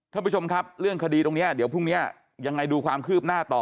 ท่านผู้ชมครับเรื่องคดีตรงนี้เดี๋ยวพรุ่งนี้ยังไงดูความคืบหน้าต่อ